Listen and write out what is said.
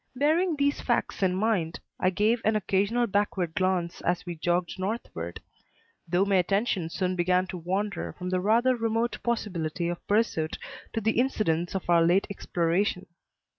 Bearing these facts in mind, I gave an occasional backward glance as we jogged northward, though my attention soon began to wander from the rather remote possibility of pursuit to the incidents of our late exploration.